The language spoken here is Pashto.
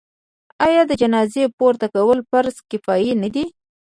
آیا د جنازې پورته کول فرض کفایي نه دی؟